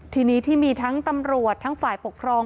ทีนี้ที่มีทั้งตำรวจทั้งฝ่ายปกครอง